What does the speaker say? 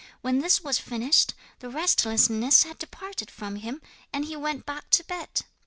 When this was finished, the restlessness had departed from him, and he went back to bed.